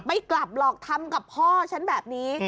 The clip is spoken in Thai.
ไม่กลับหรอกทำกับพ่อฉันแบบนี้